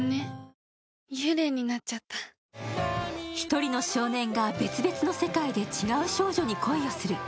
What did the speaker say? １人の少年が別々の世界で違う少女に恋をする。